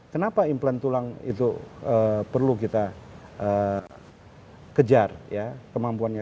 kenapa implan tulang itu perlu kita kejar ya kemampuannya